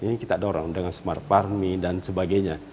ini kita dorong dengan smart parming dan sebagainya